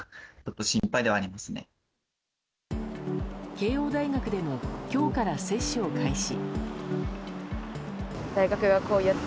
慶應大学でも今日から接種を開始。